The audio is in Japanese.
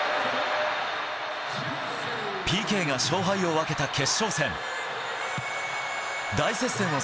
ＰＫが勝敗を分けた決勝戦。